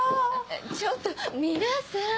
ちょっと皆さん。